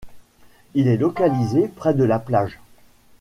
Il est localisé près de la plage.